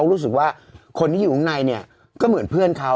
รู้สึกว่าคนที่อยู่ข้างในเนี่ยก็เหมือนเพื่อนเขา